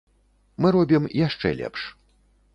Мы робім яшчэ лепш.